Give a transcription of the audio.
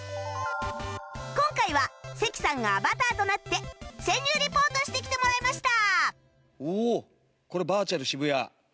今回は関さんがアバターとなって潜入リポートしてきてもらいました